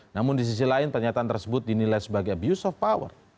namun di sisi lain pernyataan tersebut dinilai sebagai abuse of power